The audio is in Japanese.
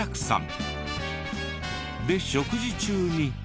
で食事中に。